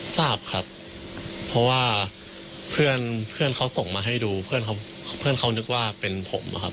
ทราบครับเพราะว่าเพื่อนเพื่อนเขาส่งมาให้ดูเพื่อนเขานึกว่าเป็นผมอะครับ